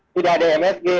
tidak ada msg